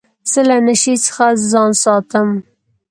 زه له نشې څخه ځان ساتم.